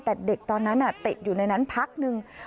แต่เด็กตอนนั้นติดอยู่ในนั้นพักนึง